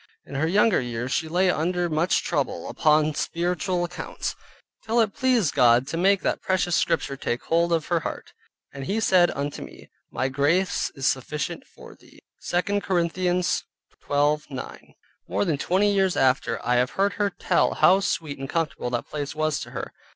In her younger years she lay under much trouble upon spiritual accounts, till it pleased God to make that precious scripture take hold of her heart, "And he said unto me, my Grace is sufficient for thee" (2 Corinthians 12.9). More than twenty years after, I have heard her tell how sweet and comfortable that place was to her.